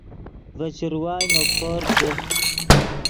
ڤے چروائے نے پورپ دے